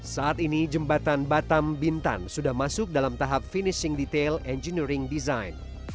saat ini jembatan batam bintan sudah masuk dalam tahap finishing detail engineering design